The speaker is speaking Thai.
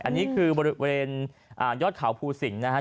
อันนี้คือบริเวณยอดเขาภูสิงห์นะครับ